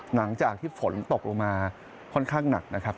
หลังจากที่ฝนตกลงมาค่อนข้างหนักนะครับ